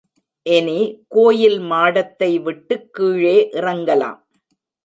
இனி, கோயில் மாடத்தை விட்டுக் கீழே இறங்கலாம்.